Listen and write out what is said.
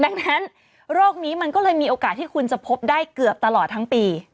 ดังนั้นโรคนี้มันก็เลยมีโอกาสที่คุณจะพบได้เกือบตลอดทั้งปี